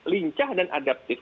lincah dan adaptif